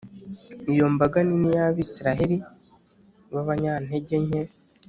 iyo mbaga nini y’abisiraheli b’abanyantegenke,